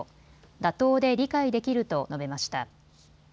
妥当で理解できると述べました。